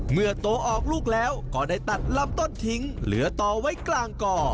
เมื่อโตออกลูกแล้วก็ได้ตัดลำต้นทิ้งเหลือต่อไว้กลางก่อ